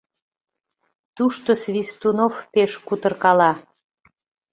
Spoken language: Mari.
Тушто Свистунов пеш кутыркала.